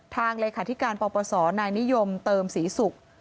ทางเลยค่ะที่การปศนายนิยมเติมศรีศุกร์